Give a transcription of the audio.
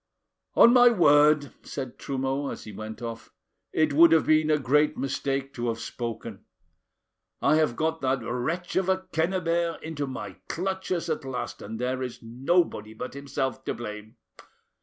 "On my word," said Trumeau, as he went off, "it would have been a great mistake to have spoken. I have got that wretch of a Quennebert into my clutches at last; and there is nobody but himself to blame.